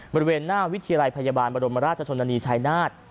บริเวณหน้าวิทยาลัยพยาบาลบรมราชชนนานีชายนาฏ